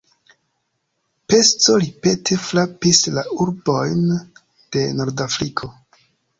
Pesto ripete frapis la urbojn de Nordafriko.